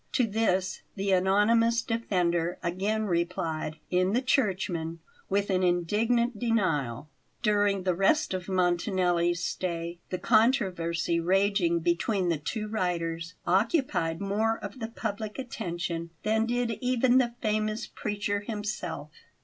To this the anonymous defender again replied in the Churchman with an indignant denial. During the rest of Montanelli's stay the controversy raging between the two writers occupied more of the public attention than did even the famous preacher himself.